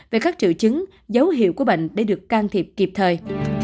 về các triệu chứng dấu hiệu của bệnh để được can thiệp kịp thời